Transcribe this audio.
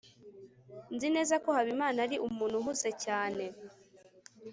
nzi neza ko habimana ari umuntu uhuze cyane